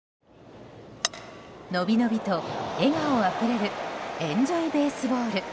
のびのびと笑顔あふれるエンジョイベースボール。